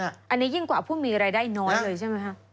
อันนี้ยิ่งกว่าผู้มีรายได้น้อยเลยใช่ไหมคะ